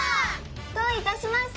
どういたしまして！